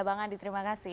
bang andi terima kasih